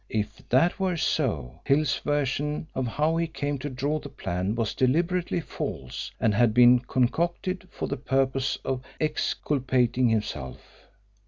If that were so, Hill's version of how he came to draw the plan was deliberately false and had been concocted for the purpose of exculpating himself.